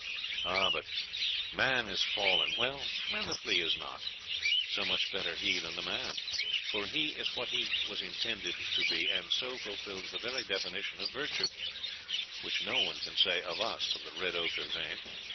'Ah, but man is fallen.... Well and the flea is not. So much better he than the man; for he is what he was intended to be, and so fulfils the very definition of virtue, which no one can say of us of the red ochre vein.